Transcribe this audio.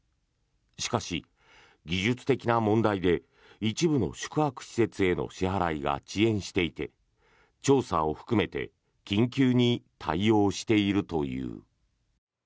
しかし、技術的な問題で一部の宿泊施設への支払いが遅延していて、調査を含めて緊急に対応しているという。